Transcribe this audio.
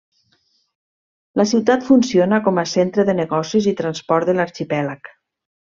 La ciutat funciona com a centre de negocis i transport de l'arxipèlag.